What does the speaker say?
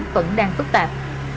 vẫn đang phức tạp